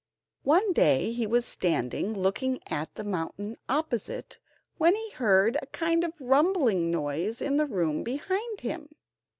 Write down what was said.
One day he was standing looking at the mountain opposite, when he heard a kind of rumbling noise in the room behind him.